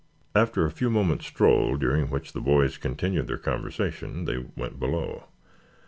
After a few moments' stroll, during which the boys continued their conversation, they went below.